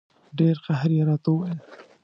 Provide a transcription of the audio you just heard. ډېر قهر یې راته وویل.